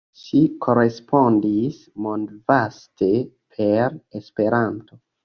Ŝi korespondis mondvaste per Esperanto.